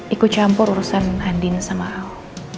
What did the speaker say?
ikut campur urusan andin sama hal